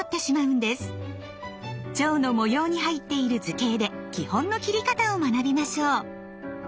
蝶の模様に入っている図形で基本の切り方を学びましょう！